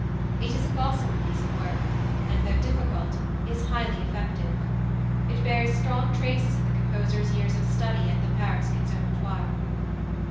It is a gossamer piece of work, and, though difficult, is highly effective. It bears strong traces of the composer's years of study at the Paris Conservatoire.